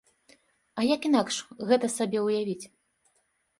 А як інакш гэта сабе ўявіць?